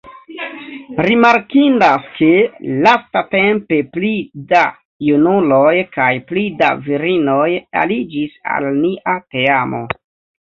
Rimarkindas ke lastatempe pli da junuloj kaj pli da virinoj aliĝis al nia teamo.